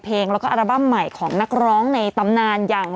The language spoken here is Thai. เพลงแล้วก็อัลบั้มใหม่ของนักร้องในตำนานอย่าง